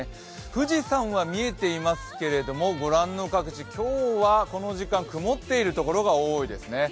富士山は見えていますけれども、ご覧の各地、今日はこの時間、曇っているところが多いですね。